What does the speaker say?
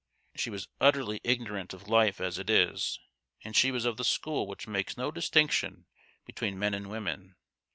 She was utterly ignorant of life as it is ; and she was of the school which makes no distinction between men and women.